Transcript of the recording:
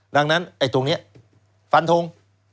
ดังนั้นไอ้ตรงนี้ฟันทง